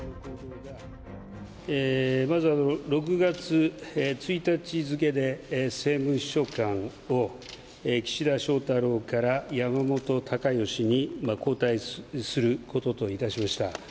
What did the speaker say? まずは６月１日付で、政務秘書官を岸田翔太郎から山本高義に交代することといたしました。